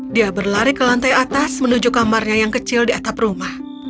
dia berlari ke lantai atas menuju kamarnya yang kecil di atap rumah